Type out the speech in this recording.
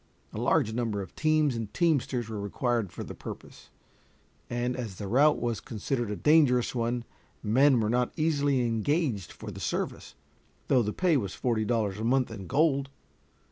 A large number of teams and teamsters were required for the purpose, and as the route was considered a dangerous one, men were not easily engaged for the service, though the pay was forty dollars a month in gold.